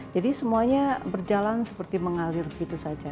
jadi semuanya berjalan seperti mengalir gitu saja